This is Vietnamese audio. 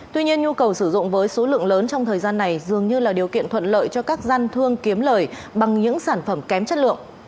tuy nhiên nhu cầu sử dụng với số lượng lớn trong thời gian này dường như là điều kiện thuận lợi cho các gian thương kiếm lời bằng những sản phẩm kém chất lượng